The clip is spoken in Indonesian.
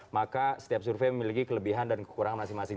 maka setiap survei memiliki kelebihan dan kekurangan masing masing